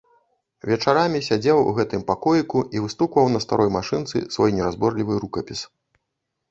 Вечарамі сядзеў у гэтым пакоіку і выстукваў на старой машынцы свой неразборлівы рукапіс.